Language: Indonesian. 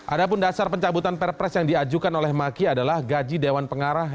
ada pun dasar pencabutan perpres yang diajukan oleh maki adalah gaji dewan pengarah